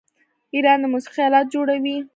ایران د موسیقۍ الات جوړوي.